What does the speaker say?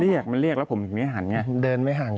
เรียกมันเรียกแล้วผมหันไงเดินไม่หัง